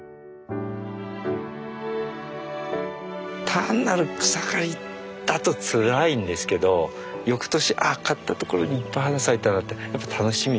単なる草刈りだとつらいんですけどよくとしああ刈ったところにいっぱい花咲いたなってやっぱ楽しみ。